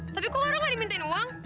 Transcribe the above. tapi kok orang enggak diminta uang